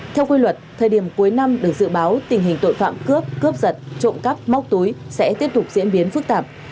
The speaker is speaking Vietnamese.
theo quy luật thời điểm cuối năm được dự báo tình hình tội phạm cướp cướp giật trộm cắp móc túi sẽ tiếp tục diễn biến phức tạp